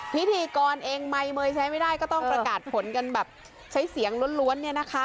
พิธีกรเองไมค์เมย์ใช้ไม่ได้ก็ต้องประกาศผลกันแบบใช้เสียงล้วนเนี่ยนะคะ